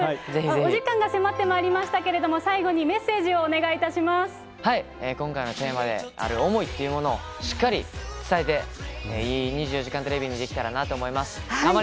お時間が迫ってまいりましたけれども、最後にメッセージをお今回のテーマである、想いっていうものをしっかり伝えて、いい２４時間テレビにできたらなと思います。